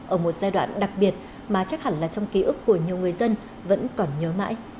ở một giai đoạn đặc biệt mà chắc hẳn là trong ký ức của nhiều người dân vẫn còn nhớ mãi